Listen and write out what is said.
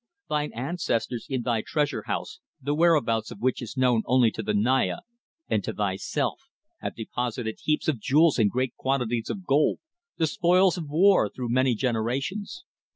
Thine ancestors in their treasure house, the whereabouts of which is known only to the Naya and to thyself, have deposited heaps of jewels and great quantities of gold, the spoils of war through many generations.